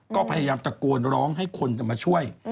ก็พยายามตะโกนร้องให้คนมาช่วย